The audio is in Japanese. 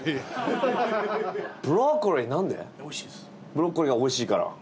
ブロッコリーがおいしいから？